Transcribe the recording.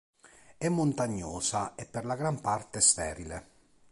È montagnosa e per la gran parte sterile.